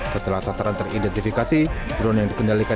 setelah sasaran teridentifikasi